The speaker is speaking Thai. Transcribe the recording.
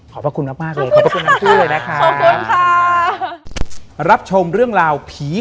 ขอบพระคุณมากเลย